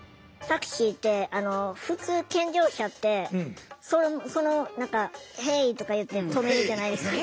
タクシーって普通健常者って何か「ヘイ！」とか言って止めるじゃないですか。